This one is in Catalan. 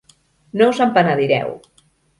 No us en penedireu.